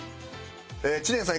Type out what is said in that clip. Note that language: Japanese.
知念さん